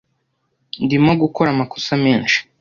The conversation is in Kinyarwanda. Ndimo gukora amakosa menshi.